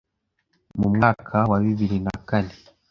Mu mwaka wa bibiri na kane